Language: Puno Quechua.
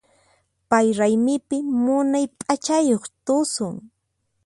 Pay raymipi munay p'achayuq tusun.